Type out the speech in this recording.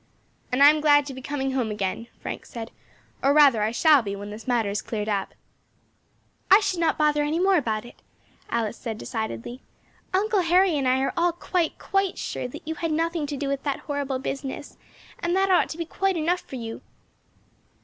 "And I am glad to be coming home again," Frank said, "or rather I shall be when this matter is quite cleared up." "I should not bother any more about it," Alice said decidedly. "Uncle Harry and I are all quite, quite sure that you had nothing to do with that horrible business, and that ought to be quite enough for you."